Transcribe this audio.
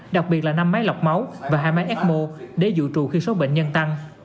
đặc biệt là năm máy lọc máu và hai máy ecmo để dụ trù khi số bệnh nhân tăng